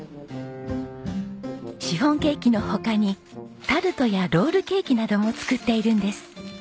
シフォンケーキの他にタルトやロールケーキなども作っているんです。